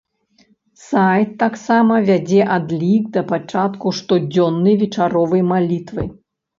Сайт таксама вядзе адлік да пачатку штодзённай вечаровай малітвы.